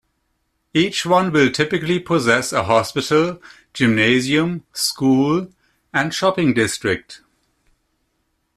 Each one will typically possess a hospital, gymnasium, school, and shopping district.